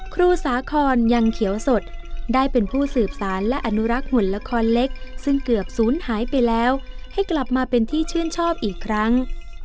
ครูสาคอนยังเขียวสดได้เป็นผู้สืบสารและอนุรักษ์หุ่นละครเล็กซึ่งเกือบศูนย์หายไปแล้วให้กลับมาเป็นที่ชื่นชอบอีกครั้ง